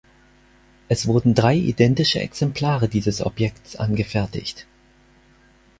Es wurden drei identische Exemplare dieses Objekts angefertigt.